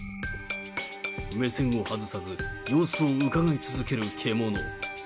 目線を外さず、様子をうかがい続ける獣。